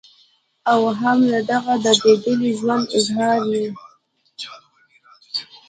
او هم د دغه درديدلي ژوند اظهار ئې